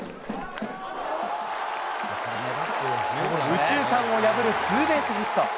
右中間を破るツーベースヒット。